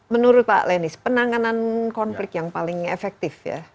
menurut pak lenis penanganan konflik yang paling efektif ya